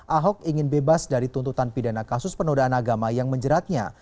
ahok ingin bebas dari tuntutan pidana kasus penodaan agama yang menjeratnya